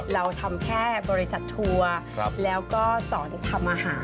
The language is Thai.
เราทำแค่บริษัททัวร์แล้วก็สอนทำอาหาร